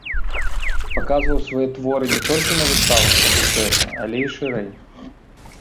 Паказваў свае творы не толькі на выставах факультэта, але і шырэй.